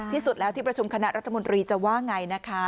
ที่สุดแล้วที่ประชุมคณะรัฐมนตรีจะว่าไงนะคะ